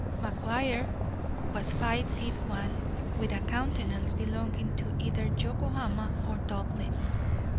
McGuire was five feet one, with a countenance belonging to either Yokohama or Dublin.